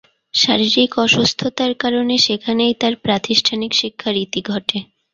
শারীরিক অসুস্থতার কারণে সেখানেই তার প্রাতিষ্ঠানিক শিক্ষার ইতি ঘটে।